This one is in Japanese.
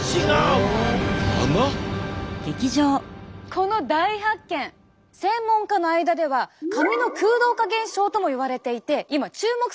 この大発見専門家の間では髪の空洞化現象ともいわれていて今注目されているんです。